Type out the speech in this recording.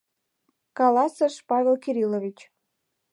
— каласыш Павел Кириллович.